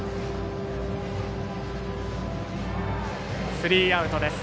スリーアウトです。